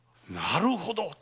なるほど！